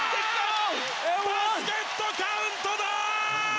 バスケットカウントだ！